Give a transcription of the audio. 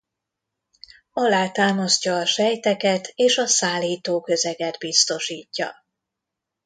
Alátámasztja a sejteket és a szállító közeget biztosítja.